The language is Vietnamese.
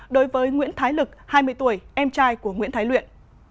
đối với nguyễn thái lực hai mươi tuổi em trai của nguyễn thái luyện